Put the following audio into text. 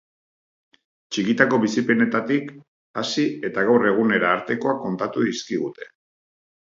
Txikitako bizipenetatik hasi eta gaur egunera artekoak kontatu dizkigute.